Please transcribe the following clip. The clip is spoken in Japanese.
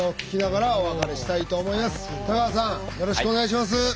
よろしくお願いします。